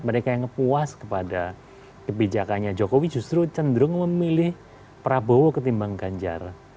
mereka yang puas kepada kebijakannya jokowi justru cenderung memilih prabowo ketimbang ganjar